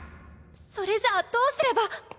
それじゃあどうすれば。